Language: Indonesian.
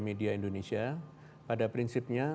media indonesia pada prinsipnya